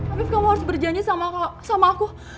habis kamu harus berjanji sama aku